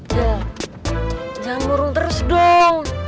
jel jangan murung terus dong